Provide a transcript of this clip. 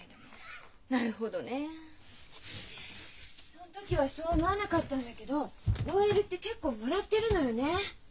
そん時はそう思わなかったんだけどＯＬって結構もらってるのよね。